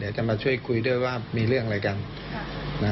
จะมาช่วยคุยด้วยว่ามีเรื่องอะไรกัน